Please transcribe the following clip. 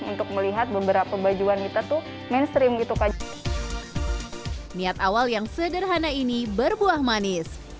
niat awal yang sederhana ini berbuah manis